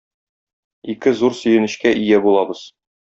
Ике зур сөенечкә ия булабыз.